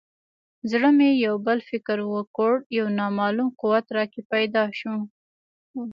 زړه مې یو بل فکر وکړ یو نامعلوم قوت راکې پیدا شو.